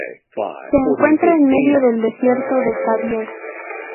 Se encuentra en medio del desierto de Sevier.